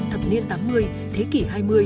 thập niên tám mươi thế kỷ hai mươi